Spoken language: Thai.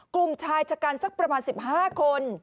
กลุ่มชายชะกันสักประมาณ๑๕คน